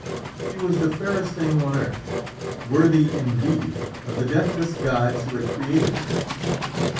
She was the fairest thing on earth, worthy indeed of the deathless gods who had created her.